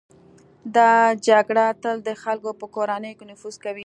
دا جګړه تل د خلکو په کورونو کې نفوذ کوي.